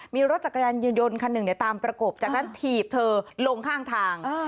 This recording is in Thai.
มีรถจักรยานยนต์คันหนึ่งตามประกบจากนั้นถีบเธอลงข้างทาง